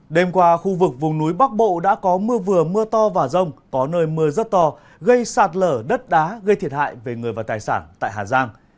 đêm qua khu vực vùng núi bắc bộ đã có mưa vừa mưa to và rông có nơi mưa rất to gây sạt lở đất đá gây thiệt hại về người và tài sản tại hà giang